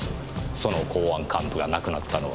その公安幹部が亡くなったのは。